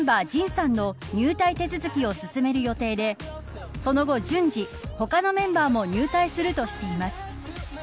ＪＩＮさんの入隊手続きを進める予定でその後、順次他のメンバーも入隊するとしています。